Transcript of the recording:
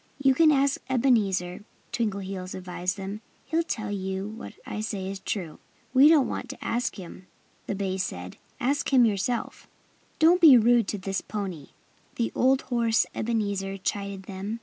"You can ask Ebenezer," Twinkleheels advised them. "He'll tell you that what I say is true." "We don't want to ask him," said the bays. "Ask him yourself." "Don't be rude to this pony!" the old horse Ebenezer chided them.